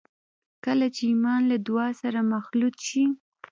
کله چې ایمان له دعا سره مخلوط شي